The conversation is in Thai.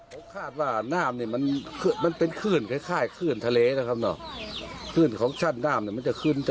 เพราะว่าน้ำเบาะต้นไหม้มันเป็นน้ำสปิงเกอร์ฝอยเนอะ